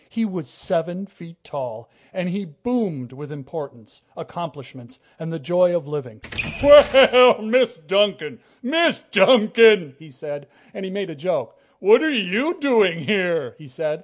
He was seven feet tall, and he boomed with importance, accomplishments, and the joy of living. "Well, Miss Duncan! Miss Duncan!" he said, and he made a joke. "What are you doing here?" he said.